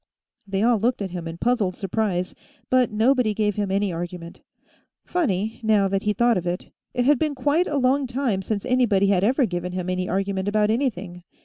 They all looked at him in puzzled surprise, but nobody gave him any argument. Funny, now that he thought of it; it had been quite a long time since anybody had ever given him any argument about anything.